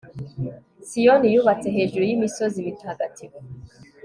siyoni yubatse hejuru y'imisozi mitagatifu